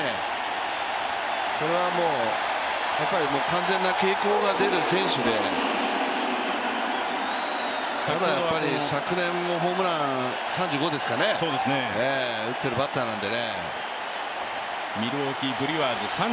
これはもう完全な傾向が出る選手で、昨年もホームラン３５打っているバッターなんで。